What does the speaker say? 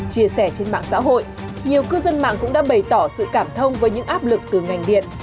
chia sẻ trên mạng xã hội nhiều cư dân mạng cũng đã bày tỏ sự cảm thông với những áp lực từ ngành điện